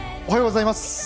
おはようございます。